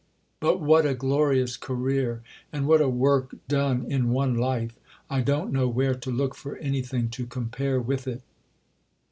But what a glorious career! and what a work done in one life! I don't know where to look for anything to compare with it.